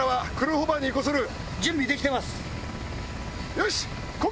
よし！